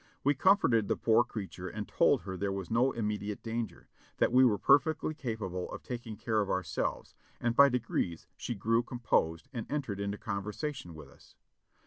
We comforted the poor creature and told her there was no immediate danger ; that we were perfectly capable of taking care of ourselves, and by degrees she grew composed and entered into conversation with us.